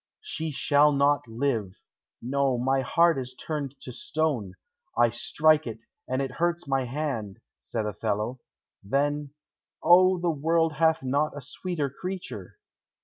"She shall not live no, my heart is turned to stone; I strike it, and it hurts my hand," said Othello. Then, "O, the world hath not a sweeter creature!"